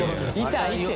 痛いって。